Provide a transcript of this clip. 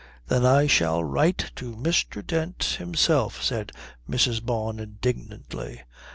"Then I shall write to Mr. Dent himself," said Mrs. Bawn indignantly.